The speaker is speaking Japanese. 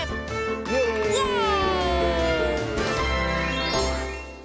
イエーイ！